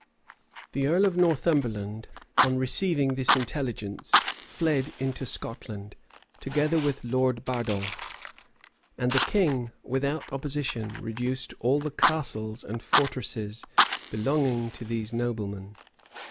The earl of Northumberland, on receiving this intelligence, fled into Scotland, together with Lord Bardolf;[*] and the king, without opposition, reduced all the castles and fortresses belonging to these noblemen.